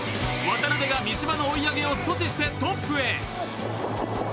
渡辺が三島の追い上げを阻止してトップへ。